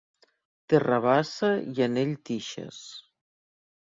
Té rabassa i en ell tixes.